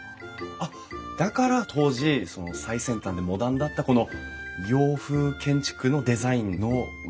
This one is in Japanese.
あっだから当時最先端でモダンだったこの洋風建築のデザインの外観なんですかね？